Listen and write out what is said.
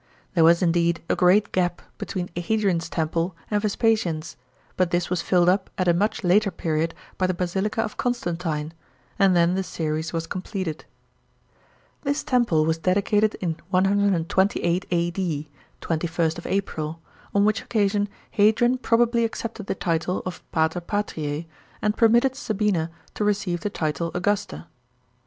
There was indeed a great gap between Hadrian's temple and Vespasian's, but this was filled up at a much later period by the Basilica of Constantino, and then the series was completed. This temple was dedicated in 128 A.D. (21st April), on which occasion Hadrian probably accepted the title of pater patrite ami permitted Sabina to receive the title Augusta.